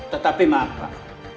tetapi maaf pak